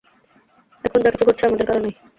এখন যা কিছু ঘটছে, আমার কারণেই।